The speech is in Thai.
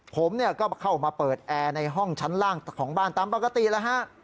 ผมก็เข้ามาเปิดแอร์ในห้องชั้นล่างของบ้านตามปกติแล้วฮะ